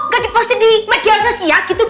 gak di post di media sosial gitu bu